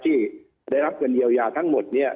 ที่ได้รับเงินเยียวยาทั้งหมด